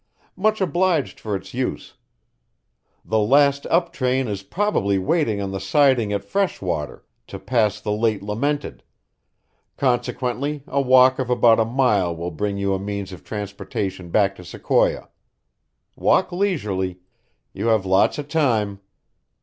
Much obliged for its use. The last up train is probably waiting on the siding at Freshwater to pass the late lamented; consequently a walk of about a mile will bring you a means of transportation back to Sequoia. Walk leisurely you have lots of time.